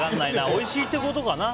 おいしいってことかな。